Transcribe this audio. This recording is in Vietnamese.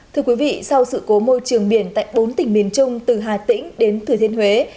thưa quý vị sau sự cố môi trường biển tại bốn tỉnh miền trung từ hà tĩnh đến thừa thiên huế